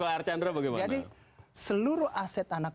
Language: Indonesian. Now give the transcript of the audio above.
archandra bagaimana seluruh aset anak